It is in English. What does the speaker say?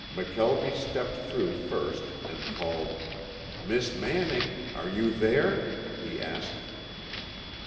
McKelvie stepped through first and called: "Miss Manning, are you there?" he asked.